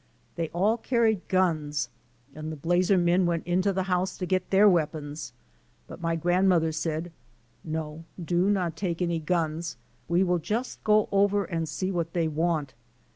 They all carried guns and the Blazer men went into the house to get their weapons but my grand mother said, '^No, do not take any guns, we will just go over and see what they want."